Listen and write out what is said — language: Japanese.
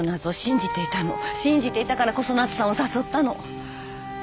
信じていたからこそ奈津さんを誘ったの。